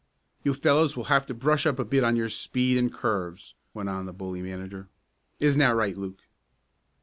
"You fellows will have to brush up a bit on your speed and curves," went on the bully manager. "Isn't that right, Luke?"